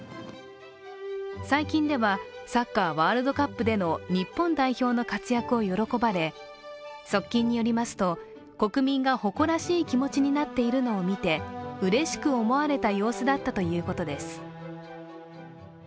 最近ではサッカーワールドカップでの日本代表の活躍を喜ばれ、側近によりますと国民が誇らしい気持ちになっているのを見てうれしく思われた様子だったということです。